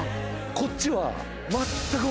こっちは。